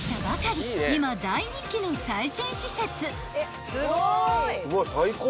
［今大人気の最新施設］